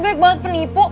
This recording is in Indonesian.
banyak banget penipu